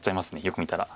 よく見たら。